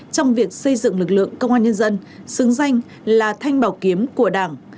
trong việc xây dựng lực lượng công an nhân dân xứng danh là thanh bảo kiếm của đảng